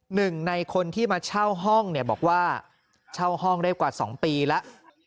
หนึ่งในคนที่มาเช่าห้องเนี่ยบอกว่าเช่าห้องได้กว่า๒ปีแล้ว